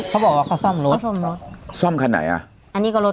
เขาบอกว่าเขาซ่อมรถซ่อมรถซ่อมคันไหนอ่ะอันนี้ก็รถ